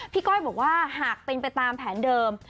ก้อยบอกว่าหากเป็นไปตามแผนเดิม